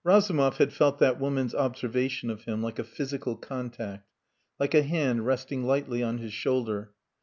Razumov had felt that woman's observation of him like a physical contact, like a hand resting lightly on his shoulder.